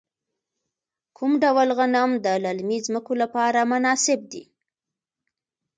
کوم ډول غنم د للمي ځمکو لپاره مناسب دي؟